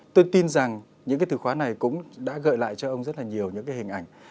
tôi tin rằng những cái từ khóa này cũng đã gợi lại cho ông rất là nhiều những cái hình ảnh